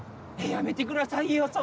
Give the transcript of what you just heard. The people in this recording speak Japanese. やめてくださいよ。